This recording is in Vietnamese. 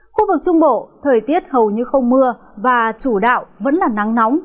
khu vực trung bộ thời tiết hầu như không mưa và chủ đạo vẫn là nắng nóng